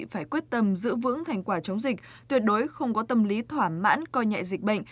phải quyết tâm giữ vững thành quả chống dịch tuyệt đối không có tâm lý thỏa mãn coi nhẹ dịch bệnh